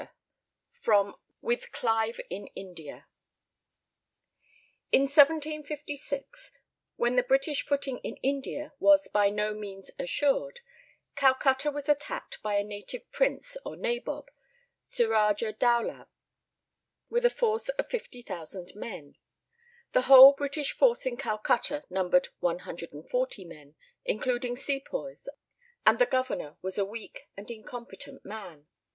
* *FROM "WITH CLIVE IN INDIA."* [In 1756, when the British footing in India was by no means assured, Calcutta was attacked by a native prince or nabob, Suraja Dowlah, with a force of 50,000 men. The whole British force in Calcutta numbered 140 men, including sepoys, and the governor was a weak and incompetent man.